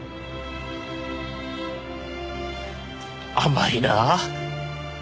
甘いな。